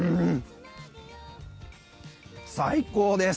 最高です。